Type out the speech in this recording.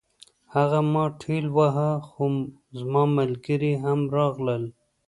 هغه ما ټېل واهه خو زما ملګري هم راغلل